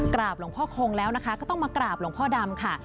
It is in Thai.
กราบหลวงพ่อคงแล้วนะคะก็ต้องมากราบหลวงพ่อดำค่ะ